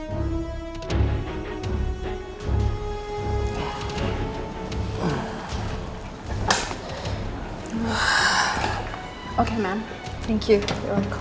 kita akan melakukan pembedahan secepat mungkin